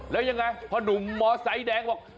แล้วยังไงพอนุ่มหมอสายแดงบอก